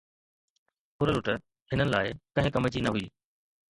ڦرلٽ هنن لاءِ ڪنهن ڪم جي نه هئي.